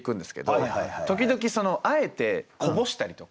時々あえてこぼしたりとか。